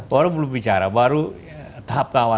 baru belum bicara baru tahap